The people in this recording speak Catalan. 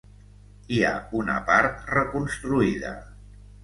Hi ha una part reconstruïda.